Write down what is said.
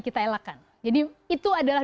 kita elakan jadi itu adalah